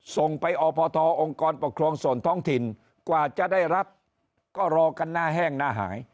ส่งไปอพทองค์กรปกครองส่วนท้องถิ่นกว่าจะได้รับก็รอกันหน้าแห้งหน้าหาย